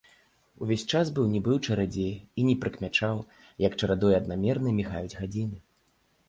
Увесь час быў нібы ў чадзе і не прыкмячаў, як чарадой аднамернай мігаюць гадзіны.